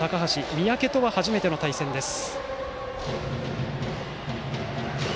三宅とは初めての対戦です。